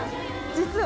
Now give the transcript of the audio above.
実は。